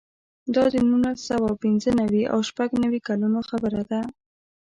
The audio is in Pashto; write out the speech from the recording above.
دا د نولس سوه پنځه نوي او شپږ نوي کلونو خبره ده.